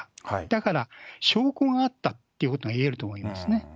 だから証拠があったっていうことがいえると思いますね。